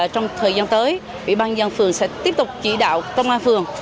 trong thời gian tới ủy ban dân phường sẽ tiếp tục chỉ đạo công an phường